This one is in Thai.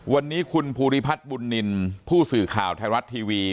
วันนี้คุณภูริพัฒน์บุญนินทร์ผู้สื่อข่าวไทยรัฐทีวี